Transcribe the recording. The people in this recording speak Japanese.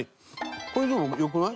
これでも良くない？